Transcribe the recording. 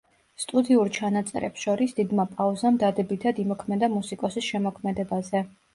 სტუდიურ ჩანაწერებს შორის დიდმა პაუზამ დადებითად იმოქმედა მუსიკოსის შემოქმედებაზე.